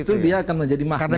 justru dia akan menjadi magnet